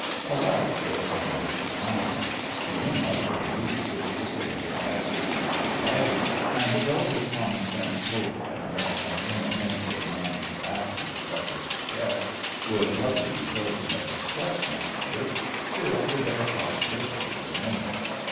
A light broke on Billy's mind. He remarked the valise which the stranger had so carefully guarded; and though his common sense told him that an inoffensive non combatant such as his guest would hardly be chosen as express messenger, still the bare possibility remained.